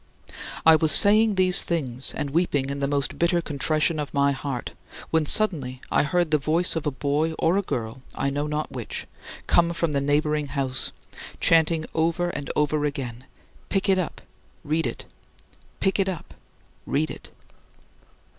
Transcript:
29. I was saying these things and weeping in the most bitter contrition of my heart, when suddenly I heard the voice of a boy or a girl I know not which coming from the neighboring house, chanting over and over again, "Pick it up, read it; pick it up, read it."